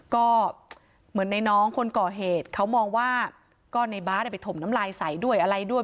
ก็เหมือนในน้องคนก่อเหตุเขามองว่าก็ในบาร์ดไปถมน้ำลายใส่ด้วยอะไรด้วย